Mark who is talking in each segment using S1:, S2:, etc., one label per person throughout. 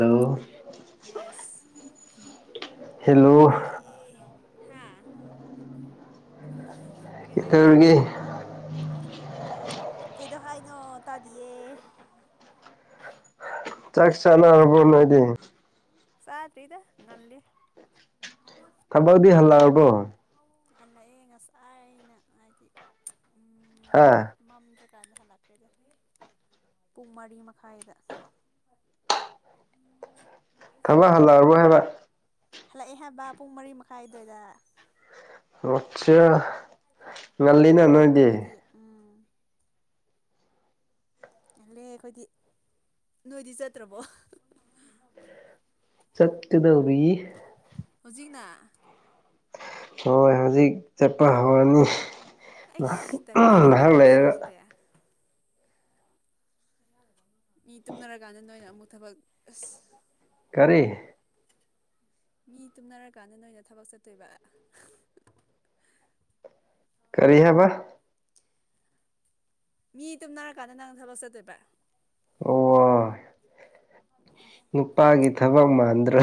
S1: Hello
S2: yes [unintelligible]
S1: hello
S2: ꯗꯥꯏ ꯑꯦ ꯍꯥꯥ [unintelligible] ꯀꯩ ꯍꯥꯏꯅꯣ
S1: ꯀꯩꯗꯧꯔꯤꯒꯦ
S2: ꯀꯩꯗꯧ ꯍꯥꯏꯅꯣ ꯇꯥꯗꯤꯌꯦ꯫
S1: ꯆꯥꯛ ꯆꯅꯔꯕꯅ ꯅꯣꯏꯗꯤ
S2: ꯆꯥꯗ꯭ꯔꯤꯗ ꯉꯥꯜꯂꯤ꯫
S1: ꯊꯝꯕꯧꯕꯨꯗꯤ ꯍꯜꯂꯥꯔꯕꯣ
S2: ꯍꯜꯂꯛꯑꯦ ꯉꯁꯥꯏ ꯑꯩꯅ ꯍꯥꯏꯗꯤ ꯎꯝ
S1: ꯑꯥ
S2: ꯃꯝ ꯀꯀꯥꯟꯗ ꯍꯜꯂꯛꯀꯩꯗ ꯄꯨꯡ ꯃꯔꯤ ꯃꯈꯥꯏꯗ
S1: ꯊꯕꯛ ꯍꯜꯂꯛꯑꯔꯕꯣꯏ ꯍꯥꯏꯕ
S2: ꯍꯜꯂꯛꯑꯦ ꯍꯥꯏꯕ ꯄꯨꯡ ꯃꯔꯤ ꯃꯈꯥꯏꯗꯋꯥꯏꯗ
S1: ꯃꯁꯥ ꯉꯜꯂꯤꯅ
S2: ꯉꯜꯂꯤ ꯍꯥꯏꯕ
S1: ꯅꯣꯏꯗꯤ
S2: ꯑꯩꯈꯣꯏꯗꯤ ꯎꯝ ꯌꯥꯂ ꯑꯩꯈꯣꯏꯗꯤ ꯅꯣꯏꯗꯤ ꯆꯠꯇ꯭ꯔꯕꯣ
S1: ꯆꯠꯀꯗꯧꯔꯤ
S2: ꯍꯧꯖꯤꯛꯅ
S1: ꯍꯣꯏ ꯍꯧꯖꯤꯛ ꯆꯠꯄ ꯍꯧꯔꯅꯤ ꯉꯍꯥꯛ
S2: ꯑꯩꯁ ꯇꯜꯂꯦꯗ ꯅꯣꯏ
S1: ꯉꯍꯥꯛ ꯂꯩꯔꯒ
S2: ꯄꯨꯟꯁꯤꯁꯤꯗꯤ ꯃꯤ ꯇꯨꯝꯅꯔꯀꯥꯟꯗ ꯅꯣꯏꯅ ꯑꯃꯨꯛ ꯊꯕꯛ ꯑꯁ
S1: ꯀꯔꯤ
S2: ꯃꯤ ꯇꯨꯝꯅꯔꯀꯥꯟꯗ ꯅꯣꯏꯅ ꯊꯕꯛ ꯆꯠꯇꯣꯏꯕ
S1: ꯀꯔꯤꯍꯥꯏꯕ
S2: ꯃꯤ ꯇꯨꯝꯅꯔꯀꯥꯟꯗ ꯅꯪ ꯊꯕꯛ ꯆꯠꯇꯣꯏꯕꯥ
S1: ꯑꯣ ꯅꯨꯄꯥꯒꯤ ꯊꯕꯛ ꯃꯥꯟꯗ꯭ꯔꯣ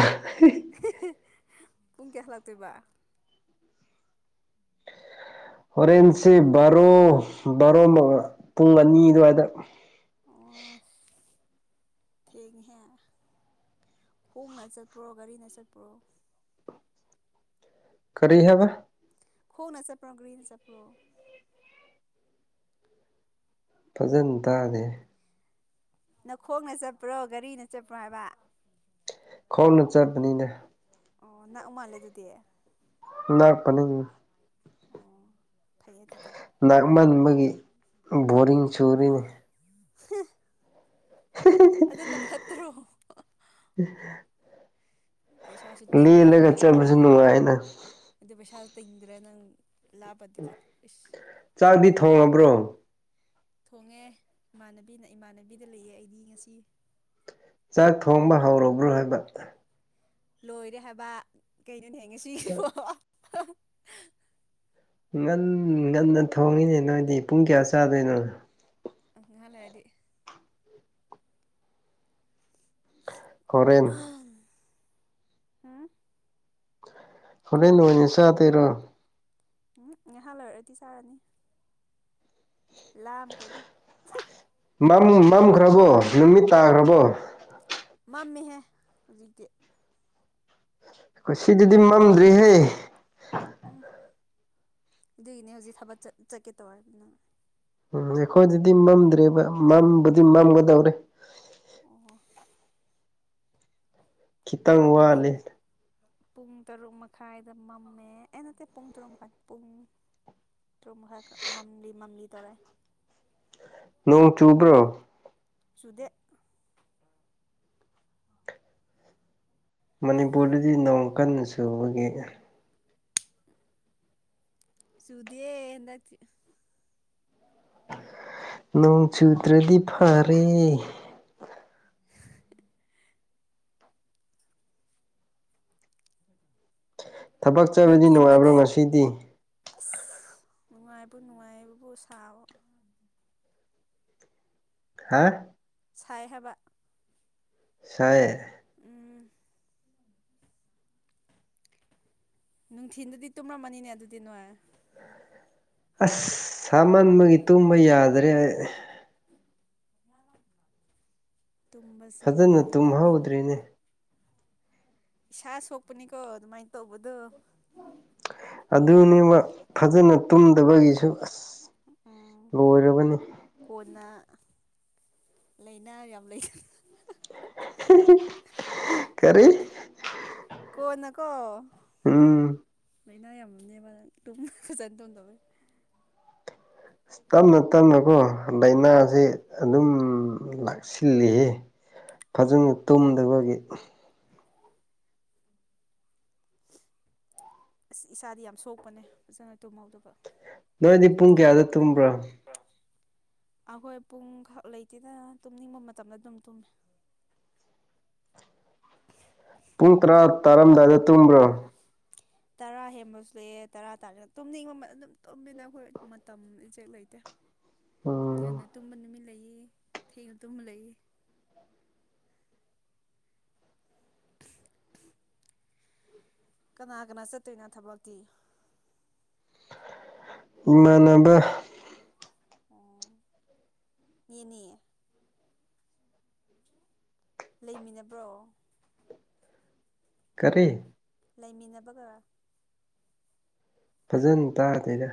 S2: ꯄꯨꯡ ꯀꯌꯥ ꯂꯥꯛꯇꯣꯏꯕ
S1: ꯍꯣꯔꯦꯟꯁꯦ ꯕꯥꯔꯣ ꯕꯥꯔꯣ ꯄꯨꯡ ꯑꯅꯤ ꯑꯗꯨꯋꯥꯏꯗ
S2: ꯑꯣ ꯑꯁ ꯊꯦꯡꯉꯤꯍꯦ ꯍꯣꯡꯅ ꯆꯠꯄ꯭ꯔꯣ ꯒꯥꯔꯤꯅ ꯆꯠꯄ꯭ꯔꯣ
S1: ꯀꯔꯤ ꯍꯥꯏꯕ
S2: ꯈꯣꯡꯅ ꯆꯠꯄ꯭ꯔꯣ ꯒ꯭ꯔꯤꯅ ꯆꯠꯄ꯭ꯔꯣ
S1: ꯐꯖꯅ ꯇꯥꯗꯦ
S2: ꯅꯈꯣꯡꯅ ꯆꯠꯄ꯭ꯔꯣ ꯒꯥꯔꯤꯅ ꯆꯠꯄ꯭ꯔꯣ ꯍꯥꯏꯕ
S1: ꯈꯣꯡꯅ ꯆꯠꯄꯅꯤꯅ
S2: ꯑꯣ ꯅꯥꯛꯎ ꯃꯥꯜꯂꯦ ꯑꯗꯨꯗꯤ
S1: ꯂꯥꯛꯀꯅꯤ
S2: ꯑꯣ ꯐꯩꯌꯦ ꯑꯗꯨꯗꯤ
S1: ꯂꯥꯛꯃꯟꯕꯒꯤ ꯕꯣꯔꯤꯡ ꯆꯨꯔꯤꯅꯤ
S2: [unintelligible] ꯑꯗꯨꯅ ꯐꯠꯇ꯭ꯔꯣ
S1: [unintelligible]
S2: ꯄꯩꯁꯥꯁꯨ ꯇꯤꯡꯗ꯭ꯔꯦ
S1: ꯂꯦꯜꯂꯒ ꯆꯠꯄꯁꯨ ꯅꯨꯡꯉꯥꯏꯅ
S2: ꯑꯗꯨ ꯄꯩꯁꯥ ꯇꯤꯡꯗ꯭ꯔꯦ ꯅꯪ ꯂꯥꯞꯄꯗꯤ ꯏꯁ
S1: ꯆꯥꯛꯗꯤ ꯊꯣꯡꯉꯕ꯭ꯔꯣ
S2: ꯊꯣꯡꯉꯦ ꯏꯃꯥꯟꯅꯕꯤꯅ ꯏꯃꯥꯟꯅꯕꯤꯗ ꯂꯩꯌꯦ ꯑꯩꯗꯤ ꯉꯁꯤ
S1: ꯆꯥꯛ ꯊꯣꯡꯕ ꯍꯧꯔꯕ꯭ꯔꯣ ꯍꯥꯏꯕ
S2: ꯂꯣꯏꯔꯦ ꯍꯥꯏꯕ ꯀꯩꯅꯣ ꯍꯦ ꯉꯁꯤꯁꯤꯕꯣ
S1: ꯉꯟ ꯉꯟꯅ ꯊꯣꯡꯉꯤꯅꯦ ꯅꯣꯏꯗꯤ ꯄꯨꯡ ꯀꯌꯥ ꯆꯥꯗꯣꯏꯅꯣ
S2: ꯉꯍꯥꯛ ꯂꯩꯔꯗꯤ
S1: ꯍꯣꯔꯦꯟ
S2: ꯍꯥ
S1: ꯍꯣꯔꯦꯟ ꯅꯣꯏꯅꯤ ꯆꯥꯗꯣꯏꯔꯣ
S2: ꯎꯝ ꯉꯥꯏꯍꯥꯛ ꯂꯩꯔꯗꯤ ꯆꯥꯔꯅꯤ ꯂꯥꯝꯈ꯭ꯔꯦꯗ
S1: ꯃꯝꯗꯤ ꯃꯝꯈ꯭ꯔꯕꯣ ꯅꯨꯃꯤꯠ ꯇꯥꯈ꯭ꯔꯕꯣ
S2: ꯃꯝꯃꯦ ꯍꯦ ꯍꯧꯖꯤꯛꯇꯤ
S1: ꯈꯣꯢ ꯁꯤꯗꯗꯤ ꯃꯝꯗ꯭ꯔꯤ ꯍꯦ
S2: ꯎꯝ ꯑꯗꯨꯒꯤꯅꯦ ꯍꯧꯖꯤꯛ ꯊꯥꯕꯛ ꯆꯠ ꯆꯠꯀꯦ ꯇꯧꯋꯦꯗꯅ
S1: ꯎꯝ ꯑꯩꯈꯣꯏꯗꯗꯤ ꯃꯝꯗ꯭ꯔꯤꯕ ꯃꯝꯕꯨꯗꯤ ꯃꯝꯒꯗꯧꯔꯦ
S2: ꯑꯣ
S1: ꯈꯤꯇꯪ
S2: ꯑꯈꯣꯏꯗꯤꯡ
S1: ꯋꯥꯠꯂꯤ
S2: ꯄꯨꯡ ꯇꯔꯨꯛ ꯃꯈꯥꯏꯗ ꯃꯝꯃꯦ ꯑꯦ ꯅꯠꯇꯦ ꯄꯨꯡ ꯇꯔꯨꯛ ꯃꯈꯥꯏ ꯄꯨꯡ ꯇꯔꯨꯛꯃꯈꯥꯢ ꯀꯥ ꯃꯝꯂꯤ ꯃꯝꯂꯤ ꯇꯧꯔꯦ
S1: ꯅꯣꯡ ꯆꯨꯕ꯭ꯔꯣ
S2: ꯆꯨꯗꯦ
S1: ꯃꯅꯤꯄꯨꯔꯗꯗꯤ ꯅꯣꯡ ꯀꯟꯅ ꯆꯨꯕꯒꯤ
S2: ꯆꯨꯗꯤꯌꯦ ꯍꯟꯗꯛꯇꯤ
S1: ꯅꯣꯡ ꯆꯨꯗ꯭ꯔꯗꯤ ꯐꯥꯔꯦ
S2: [unintelligible] [inaudible]
S1: ꯊꯥꯕꯛ ꯆꯠꯄꯗꯤ ꯅꯨꯡꯉꯥꯏꯕ꯭ꯔꯣ
S2: ꯅꯨꯡꯊꯤꯟꯗꯗꯤ
S1: ꯉꯁꯤꯗꯤ
S2: ꯑꯁ ꯅꯨꯡꯉꯥꯏꯕꯨ ꯅꯨꯡꯉꯥꯏꯌꯦꯕꯨ ꯁꯥꯕ
S1: ꯍꯥ
S2: ꯁꯥꯏ ꯍꯥꯏꯕ
S1: ꯁꯥꯏꯌꯦ
S2: ꯎꯝ ꯅꯨꯡꯊꯤꯟꯗꯗꯤ ꯇꯨꯝꯃꯝꯃꯅꯤꯅꯦ ꯑꯗꯨꯗꯤ ꯅꯣꯢ
S1: ꯑꯁ ꯁꯥꯃꯟꯕꯒꯤ ꯇꯨꯝꯕ ꯌꯥꯗ꯭ꯔꯦ ꯑꯩ
S2: [unintelligible] ꯇꯨꯝꯕꯁꯤ
S1: ꯐꯖꯅ
S2: ꯅꯣꯏꯒꯤꯗꯤ ꯇꯥꯏꯃꯤꯡ
S1: ꯇꯨꯝꯍꯧꯗ꯭ꯔꯤꯅꯦ
S2: ꯏꯁꯥ ꯁꯣꯛꯄꯅꯤꯀꯣ ꯑꯗꯨꯃꯥꯏꯟ ꯇꯧꯕꯗꯣ
S1: ꯑꯗꯨꯅꯦꯕ ꯐꯖꯅ ꯇꯨꯝꯗꯕꯒꯤꯁꯨ ꯑꯁ꯫
S2: ꯎꯝ
S1: ꯂꯣꯏꯔꯕꯅꯤ꯫
S2: ꯀꯣꯟꯅ ꯂꯩꯅꯥ ꯌꯥꯝ ꯂꯩ꯫
S1: [unintelligible] ꯀꯔꯤ?
S2: ꯀꯣꯟꯅꯀꯣ,
S1: ꯎꯝ
S2: ꯂꯩꯅꯥ ꯌꯥꯝꯃꯝꯅꯦꯕ ꯅꯪ ꯇꯨꯝꯕ ꯐꯖꯅ ꯇꯨꯝꯗꯕꯩ꯫
S1: ꯑꯁ ꯇꯞꯅ ꯇꯞꯅꯀꯣ ꯂꯥꯏꯅꯥꯖꯦ ꯑꯗꯨꯝ ꯂꯥꯛ ꯁꯤꯜꯂꯤꯌꯦ ꯐꯖꯅ ꯇꯨꯝꯗꯕꯒꯤ꯫
S2: ꯑꯁ ꯏꯁꯥꯗꯤ ꯌꯥꯝ ꯁꯣꯛꯄꯅꯦ ꯐꯖꯅ ꯇꯨꯝꯍꯧꯗꯕ꯫
S1: ꯅꯣꯏꯗꯤ ꯄꯨꯡ ꯀꯌꯥꯗ ꯇꯨꯝꯕ꯭ꯔꯥ?
S2: ꯑꯈꯣꯏ ꯄꯨꯡꯈꯛ ꯂꯩꯇꯦꯗ ꯇꯨꯝꯅꯤꯡꯕ ꯃꯇꯝꯗ ꯑꯗꯨꯝ ꯇꯨꯝꯃꯦ꯫
S1: ꯄꯨꯡ ꯇ꯭ꯔꯥ ꯇꯥꯔꯝꯗꯥꯏꯗ ꯇꯨꯝꯕ꯭ꯔꯣ?
S2: ꯇꯔꯥ ꯍꯦꯟꯕꯁꯨ ꯂꯩꯑꯦ ꯇꯔꯥ ꯇꯥꯔꯦ ꯇꯨꯝꯅꯤꯡꯕ ꯑꯗꯨꯝ ꯇꯨꯝꯃꯤꯗ ꯑꯩꯈꯣꯏ ꯃꯇꯝ ꯏꯖꯦꯛ ꯂꯩꯇꯦ꯫
S1: [inaudible]
S2: ꯉꯟꯅ
S1: ꯎꯝ
S2: ꯇꯨꯝꯕ ꯅꯨꯃꯤꯠ ꯂꯩꯌꯦ ꯊꯦꯡꯅ ꯇꯨꯝꯕ ꯂꯩꯌꯦ꯫ ꯀꯅꯥ ꯀꯅꯥ ꯆꯠꯇꯣꯏꯅꯣ ꯊꯕꯛꯇꯤ?
S1: ꯏꯃꯥꯟꯅꯕ꯫
S2: ꯑꯣ ꯃꯤ ꯑꯅꯤ꯫ ꯂꯩꯃꯤꯟꯅꯕ꯭ꯔꯣ?
S1: ꯀꯔꯤ?
S2: ꯂꯩꯃꯤꯟꯅꯕꯒ꯫
S1: ꯐꯖꯅ ꯇꯥꯗꯦꯗ꯫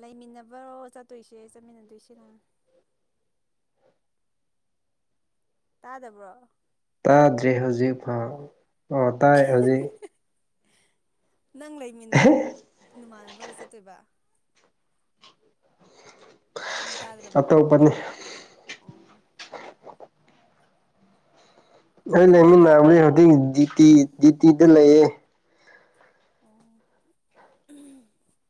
S2: ꯂꯩꯃꯤꯟꯅꯕꯔꯣ ꯆꯠꯇꯣꯏꯁꯦ ꯆꯠꯃꯤꯟꯅꯗꯣꯏꯁꯤꯅ꯫ ꯇꯥꯗꯕ꯭ꯔꯣ?
S1: ꯇꯥꯗ꯭ꯔꯤ ꯍꯧꯖꯤꯛ ꯐꯥꯎ ꯑꯣ ꯇꯥꯏ ꯍꯧꯖꯤꯛ꯫
S2: ꯅꯪ ꯂꯩꯃꯤꯟꯅꯕ ꯅꯃꯥꯟꯅꯕꯒ ꯆꯠꯇꯣꯏꯕ꯫ ꯃꯨꯛ ꯇꯥꯗ꯭ꯔꯕꯣ?
S1: ꯑꯇꯣꯞꯄꯅꯤ
S2: ꯑꯣ
S1: ꯑꯩ
S2: ꯉꯥꯏꯅ
S1: ꯂꯩꯃꯤꯟꯅꯕꯅꯤ ꯍꯧꯖꯤꯛ ꯗꯤꯇꯤ ꯗꯤꯇꯤꯗ ꯂꯩꯌꯦ꯫
S2: ꯑꯣ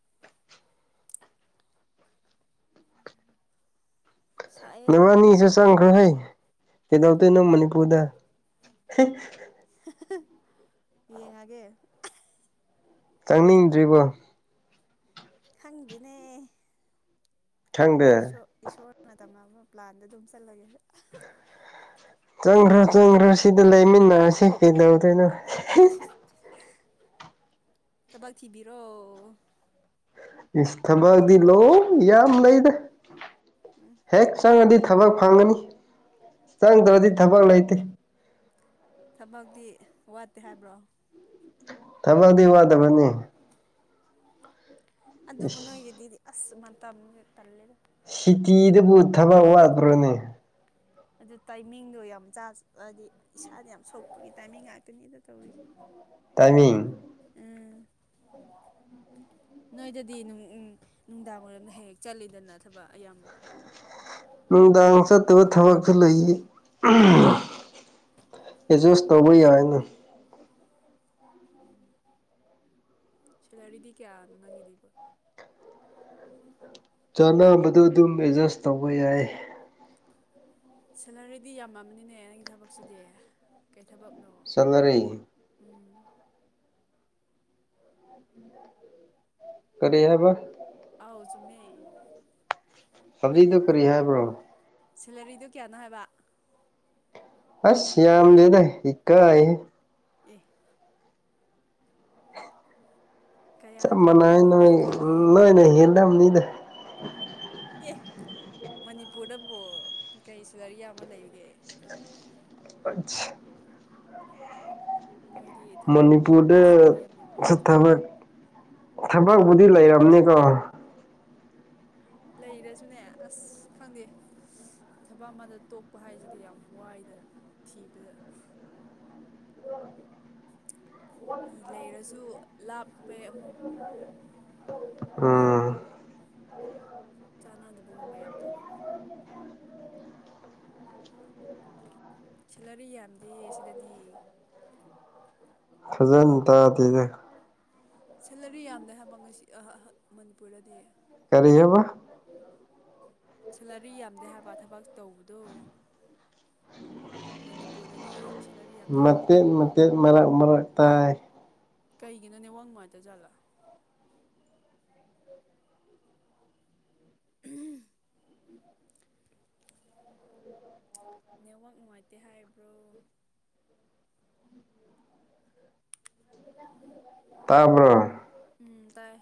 S2: ꯁꯥꯏꯌꯦ
S1: ꯅꯕꯅꯤꯁꯨ ꯆꯪꯈ꯭ꯔꯣ ꯍꯦ ꯀꯩꯗꯧꯗꯣꯏꯅꯣ ꯃꯅꯤꯄꯨꯔꯗ꯫
S2: [unintelligible] ꯌꯦꯡꯉꯒꯦ꯫
S1: ꯆꯪꯅꯤꯡꯗ꯭ꯔꯤꯕꯣ?
S2: ꯈꯪꯗꯦꯅꯦ꯫
S1: ꯈꯪꯗꯦ
S2: ꯏꯁꯣ ꯏꯁꯣꯔꯅ ꯇꯝꯅꯕ ꯄ꯭ꯂꯥꯟꯗ ꯑꯗꯨꯝ ꯆꯠꯂꯒꯦ꯫
S1: ꯆꯪꯈ꯭ꯔꯣ ꯆꯪꯈ꯭ꯔꯣ ꯁꯤꯗ ꯂꯩꯃꯤꯟꯅꯔꯁꯤ ꯀꯩꯗꯧꯗꯣꯏꯅꯣ꯫
S2: ꯊꯕꯛ ꯊꯤꯕꯤꯔꯣ꯫
S1: ꯏꯁ ꯊꯕꯛꯗꯤ ꯂꯣꯏ ꯌꯥꯝ ꯂꯩꯗ
S2: ꯎꯝ
S1: ꯍꯦꯛ ꯆꯪꯉꯗꯤ ꯊꯕꯛ ꯐꯪꯒꯅꯤ ꯆꯪꯗ꯭ꯔꯗꯤ ꯊꯕꯛ ꯂꯩꯇꯦ꯫
S2: ꯊꯕꯛꯇꯤ ꯋꯥꯠꯇꯦ ꯍꯥꯏꯕ꯭ꯔꯣ?
S1: ꯊꯕꯛꯗꯤ ꯋꯥꯗꯕꯅꯤ꯫
S2: ꯑꯗꯨꯕꯨ
S1: ꯏꯁ
S2: ꯅꯣꯏꯒꯤꯗꯤꯗꯤ ꯑꯁ ꯃꯇꯝꯁꯦ ꯇꯜꯂꯦꯗ꯫
S1: ꯁꯤꯇꯤꯗꯕꯨ ꯊꯕꯛ ꯋꯥꯠꯇꯄ꯭ꯔꯣꯅꯦ?
S2: ꯑꯗꯨ ꯇꯥꯏꯃꯤꯡꯗꯣ ꯌꯥꯝ ꯆꯥ ꯍꯥꯏꯗꯤ ꯏꯁꯥꯗ ꯌꯥꯝ ꯁꯣꯛꯄꯒꯤ ꯇꯥꯏꯃꯤꯡ ꯉꯥꯛꯇꯅꯤꯗ ꯇꯧꯔꯤꯁꯦ꯫
S1: ꯇꯥꯏꯃꯤꯡ꯫
S2: ꯑꯥ ꯅꯣꯏꯗꯗꯤ ꯅꯨꯡ ꯎꯪ ꯅꯨꯡꯗꯥꯡ ꯋꯥꯏꯔꯝꯗ ꯍꯦꯛ ꯍꯦꯛ ꯆꯠꯂꯤꯗꯅ ꯊꯕꯛ ꯑꯌꯥꯝꯕ
S1: ꯅꯨꯡꯗꯥꯡ ꯆꯠꯇꯕ ꯊꯕꯛꯁꯨ ꯂꯩ ꯑꯦꯖꯁ ꯇꯧꯕ ꯌꯥꯏꯅ
S2: ꯎꯝ ꯁꯦꯂꯔꯤꯗꯤ ꯀꯌꯥꯅꯣ ꯅꯪꯒꯤꯗꯤꯕꯣ
S1: ꯆꯥꯅꯕꯗꯣ ꯑꯗꯨꯝ ꯑꯦꯗꯖꯁ ꯇꯧꯕ ꯌꯥꯏ
S2: ꯁꯦꯂꯔꯤꯗꯤ ꯌꯥꯝꯃꯝꯃꯅꯤꯅꯦ ꯅꯪꯒꯤ ꯊꯕꯛꯁꯤꯗꯤ ꯀꯩ ꯊꯕꯛꯅꯣ
S1: ꯆꯠꯅꯔꯤ
S2: ꯎꯝ
S1: [inaudible] ꯀꯔꯤ ꯍꯥꯏꯕ
S2: ꯑꯧ ꯆꯨꯝꯃꯦ
S1: ꯍꯧꯖꯤꯛꯗꯣ ꯀꯔꯤ ꯍꯥꯏꯕ꯭ꯔꯣ
S2: ꯁꯦꯂꯔꯤꯗꯣ ꯀꯌꯥꯅꯣ ꯍꯥꯏꯕ
S1: ꯑꯁ ꯌꯥꯝꯗꯦꯗ ꯏꯀꯥꯏꯍꯦ
S2: ꯑꯦ
S1: ꯆꯞ
S2: ꯀꯌꯥꯅꯣ
S1: ꯃꯥꯟꯅꯩ ꯅꯣꯏ
S2: ꯌꯥꯝꯔꯝꯃꯅꯤ ꯈꯪꯉꯦ
S1: ꯅꯣꯏꯅ ꯍꯦꯜꯂꯝꯅꯤꯗ
S2: ꯑꯦ ꯃꯅꯤꯄꯨꯔꯗꯕꯨ ꯀꯩ ꯁ‌ꯦꯂꯔꯤ ꯌꯥꯝꯃ ꯂꯩꯔꯤꯒꯦ
S1: [unintelligible]
S2: ꯅꯣꯏꯗꯤ ꯊꯕꯛ
S1: ꯃꯅꯤꯄꯨꯔꯗ
S2: ꯁꯦꯂꯔꯤ ꯌꯥꯝ ꯌꯥꯝꯃꯦ ꯑꯗꯨꯗꯤ
S1: ꯊꯕꯛ ꯊꯕꯛꯄꯕꯨꯗꯤ ꯂꯩꯔꯝꯅꯤꯀꯣ
S2: ꯂꯩꯔꯁꯨꯅꯦ ꯑꯁ ꯈꯪꯗꯦ ꯊꯕꯛ ꯑꯃꯗ ꯇꯣꯛꯄ ꯍꯥꯏꯁꯤꯗꯤ ꯌꯥꯝ ꯋꯥꯏꯗ ꯊꯤꯕꯗ ꯂꯩꯔꯁꯨ ꯂꯥꯞꯄꯦ ꯑꯃꯨꯛ
S1: ꯎꯝ
S2: [inaudible] ꯆꯥꯅꯗꯕꯒꯨꯝꯕ ꯌꯥꯝ ꯇꯧꯋꯦꯕ ꯁꯦꯂꯔꯤ ꯌꯥꯝꯗꯦ ꯁꯤꯗꯗꯤ
S1: ꯐꯖꯅ ꯇꯥꯗꯦꯅ‌ꯦ
S2: ꯁꯦꯂꯔꯤ ꯌꯥꯝꯗꯦ ꯍꯥꯏꯕ ꯉꯁꯤ ꯑꯍꯥ ꯑꯍꯥ ꯃꯅꯤꯄꯨꯔꯗꯗꯤ
S1: ꯀꯔꯤꯑꯕ
S2: ꯁꯦꯂꯔꯤ ꯌꯥꯝꯗꯦ ꯍꯥꯏꯕ ꯊꯕꯛ ꯇꯧꯕꯗꯣ ꯃꯅꯤꯄꯨꯔꯗꯗꯤ ꯁꯦꯂꯔꯤ ꯌꯥꯝꯗꯦ ꯍꯥꯏꯕ
S1: ꯃꯇ‌ꯦꯟ ꯃꯇ‌ꯦꯟ ꯃꯔꯛ ꯃꯔꯛ ꯇꯥꯏ
S2: ꯀꯩꯒꯤꯅꯣ ꯅꯦꯋꯥꯛ ꯅꯨꯡꯉꯥꯏꯇ ꯖꯥꯠꯂꯥ [unintelligible] ꯅꯦꯠꯋꯥꯛ ꯅꯨꯡꯉꯥꯏꯇꯦ ꯍꯥꯏꯕ꯭ꯔꯣ
S1: ꯇꯥꯕ꯭ꯔꯥ
S2: ꯎꯝ ꯇꯥꯏ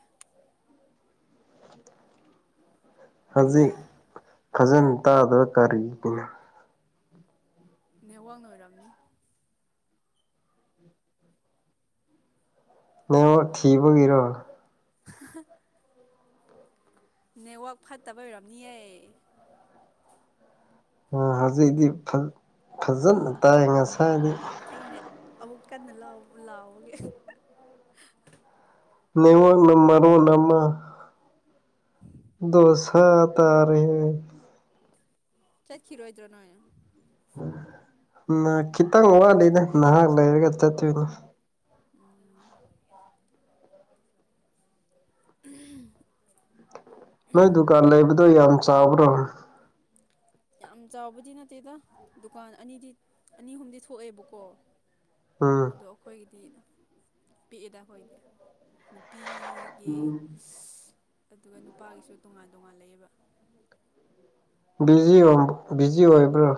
S1: ꯍꯧꯖꯤꯛ ꯐꯖꯅ ꯇꯥꯗꯕ ꯀꯔꯤꯒꯤꯅꯣ
S2: ꯅꯦꯋꯥꯛꯅ ꯑꯣꯏꯔꯝꯅꯤ
S1: ꯅ‌ꯦꯋꯥꯛ ꯊꯤꯕꯒꯤꯔꯣ
S2: [unintelligible] ꯅꯦꯠꯋꯥꯛ ꯐꯠꯇꯕꯩ ꯑꯣꯏꯔꯝꯅꯤꯌꯦ
S1: ꯑ ꯍꯧꯖꯤꯛꯗꯤ ꯐ ꯐꯖꯅ ꯇꯥꯏ ꯉꯁꯥꯏ
S2: ꯎ ꯑꯩꯅ ꯑꯃꯨꯛ ꯀꯟꯅ ꯂꯥꯎ ꯂꯥꯎꯕꯒꯤ
S1: ꯅꯤꯡꯉꯣꯟꯅ ꯃꯔꯣꯟ ꯑꯃ
S2: [inaudible]
S1: ꯗꯣꯁꯥ ꯇꯥꯔꯦꯍꯦ
S2: ꯆꯠꯈꯤꯔꯣꯏꯗ꯭ꯔꯣ ꯅꯣꯏ
S1: ꯎ ꯈꯤꯇꯪ ꯋꯥꯠꯂꯤꯗ ꯅꯍꯥꯛ ꯂꯩꯔꯒ ꯆꯠꯇꯣꯏꯅꯦ
S2: ꯎꯝ [inaudible]
S1: ꯅꯣꯏ ꯗꯨꯀꯥꯟ ꯂꯩꯕꯗꯣ ꯌꯥꯝ ꯆꯥꯎꯕ꯭ꯔꯣ
S2: ꯌꯥꯝ ꯆꯥꯎꯕꯗꯤ ꯅꯠꯇꯦꯗ ꯗꯨꯀꯥꯟ ꯑꯅꯤꯗꯤ ꯑꯅꯤ ꯑꯍꯨꯝꯗꯤ ꯊꯣꯛꯑꯦꯕꯀꯣ
S1: ꯎꯝ
S2: ꯑꯗꯣ ꯑꯩꯈꯣꯏꯒꯤꯗꯤ ꯄꯤꯛꯏꯗ ꯑꯩꯍꯣꯏꯗꯦ ꯅꯨꯄꯤ ꯒꯤ ꯑꯗꯨꯒ ꯅꯨꯄꯥꯒꯤꯁꯨ ꯇꯣꯉꯥꯟ ꯇꯣꯉꯥꯟ ꯂꯩꯑꯦꯕ
S1: ꯕꯤꯖꯤ ꯑꯣꯝ ꯕꯤꯖꯤ ꯑꯣꯏꯕ꯭ꯔꯣ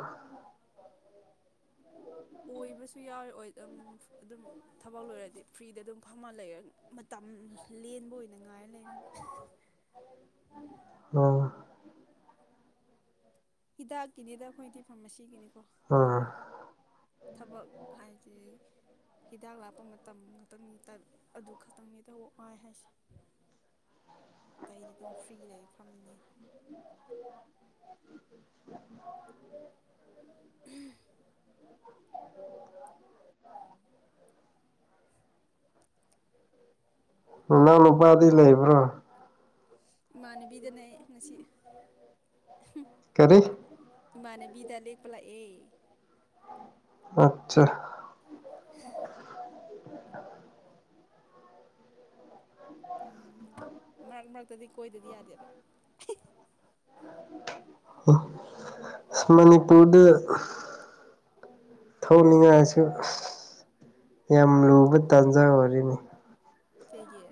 S2: ꯑꯣꯏꯕꯁꯨ ꯌꯥꯎꯏ ꯑꯣꯏ ꯎꯝ ꯑꯗꯨꯝ ꯊꯕꯛ ꯂꯣꯏꯔꯗꯤ ꯐ꯭ꯔꯤꯗ ꯑꯗꯨꯝ ꯐꯝꯃ ꯂꯩꯔꯅꯤ ꯃꯇꯝ ꯂꯦꯟꯕ ꯑꯣꯏꯅ ꯉꯥꯏꯔ ꯂꯩꯔꯅꯤ
S1: ꯑꯣ
S2: ꯍꯤꯗꯥꯛꯀꯤꯅꯤꯗ ꯑꯩꯈꯣꯏꯗꯤ ꯐꯥꯔꯃꯥꯁꯤꯒꯤꯅꯤꯀꯣ
S1: ꯎꯝ
S2: ꯑꯗꯨꯒꯤ ꯊꯕꯛ ꯍꯥꯏꯗꯤ ꯍꯤꯗꯥꯛ ꯂꯥꯞꯄ ꯃꯇꯝ ꯈꯛꯇꯪꯅꯤ ꯇ ꯑꯗꯨ ꯈꯛꯇꯪꯅꯤ ꯇꯑꯣ ꯋꯥꯥꯏ ꯍꯥꯏꯁꯦ ꯑꯇꯩꯗꯤ ꯑꯗꯨꯝ ꯐ꯭ꯔꯤ ꯂꯩ ꯐꯝꯅꯤ
S1: [inaudible]
S2: [inaudible]
S1: ꯏꯅꯥꯎ ꯅꯨꯄꯥꯗꯤ ꯂꯩꯕ꯭ꯔꯣ
S2: ꯏꯃꯥꯟꯅꯕꯤꯗꯅꯦ ꯑꯩ ꯉꯁꯤ
S1: ꯀꯔꯤ
S2: ꯏꯃꯥꯅꯕꯤꯗ ꯂꯦꯛꯄ ꯂꯥꯛꯑꯦ
S1: ꯑꯠꯆꯥ
S2: [inaudible] ꯎꯝ ꯃꯔꯛ ꯃꯔꯛꯇꯗꯤ ꯀꯣꯏꯗꯗꯤ ꯌꯥꯗꯦꯕ
S1: ꯍ ꯃꯅꯤꯄꯨꯔꯗ ꯊꯣꯛꯅꯤꯡꯉꯥꯏꯁꯨ ꯌꯥꯝ ꯂꯨꯕ ꯇꯥꯟꯖꯥ ꯑꯣꯏꯔꯦꯅꯤ
S2: ꯀꯩꯒꯤ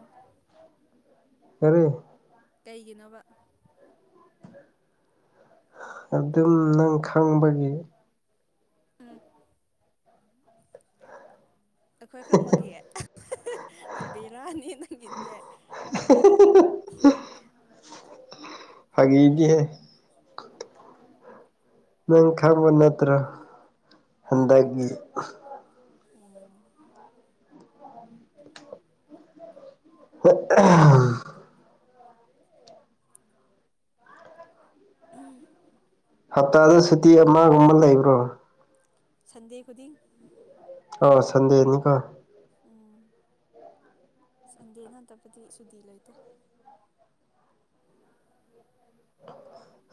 S1: [inaudible]
S2: ꯀꯩꯒꯤꯅꯣꯕ
S1: ꯑꯗꯨꯝ ꯅꯪ ꯈꯪꯕꯒꯤ
S2: ꯑ ꯑꯩꯈꯣꯏ ꯈꯪꯕꯒꯤ ꯕꯤꯔꯥꯅꯤ ꯅꯪꯒꯤꯁꯤꯗꯤ
S1: [unintelligible] ꯐꯥꯒꯤꯗꯤꯍꯦ
S2: [unintelligible]
S1: ꯅꯪ ꯈꯪꯕ ꯅꯠꯇ꯭ꯔꯣ ꯍꯟꯗꯛꯒꯤ
S2: ꯎꯝ
S1: [unintelligible] [unintelligible]
S2: ꯎꯝ
S1: ꯍꯞꯇꯥꯗ ꯁꯨꯇꯤ ꯑꯃꯒꯨꯝꯕ ꯂꯩꯕ꯭ꯔꯣ
S2: ꯁꯟꯗꯦ ꯈꯨꯗꯤꯡ
S1: ꯑꯣ ꯁꯟꯗꯦꯅꯤꯀꯣ
S2: ꯎꯝ ꯁꯟꯗꯦ ꯅꯠꯇꯕꯗꯤ ꯁꯨꯇꯤ ꯂꯩꯇꯦ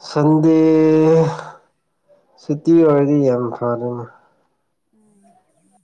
S1: ꯁꯟꯗꯦ ꯁꯨꯇꯤ ꯑꯣꯏꯔꯗꯤ ꯌꯥꯝ ꯐꯔꯦꯅꯦ
S2: ꯎꯝ